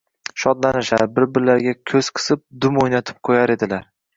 shodlanishar, bir-birlariga ko‘z qisib, dum o‘ynatib qo‘yar edilar.